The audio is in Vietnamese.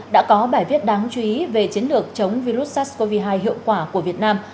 đã có bài viết đáng chú ý về chiến lược chống virus sars cov hai hiệu quả của việt nam